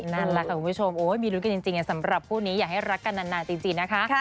นั่นแหละค่ะคุณผู้ชมโอ้ยมีรุ้นกันจริงสำหรับคู่นี้อยากให้รักกันนานจริงนะคะ